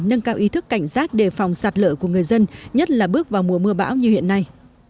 nâng cao ý thức cảnh giác đề phòng sạt lở của người dân nhất là bước vào mùa mưa bão như hiện nay